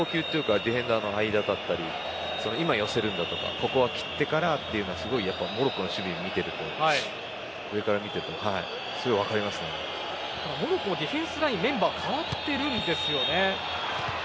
ディフェンダーの間だったり今寄せるんだとここは切ってからというのがモロッコの守備を見ているとモロッコもディフェンスラインのメンバー変わってるんですよね。